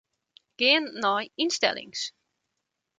Gean nei ynstellings.